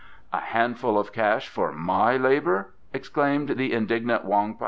"A handful of cash for my labour!" exclaimed the indignant Wong Pao.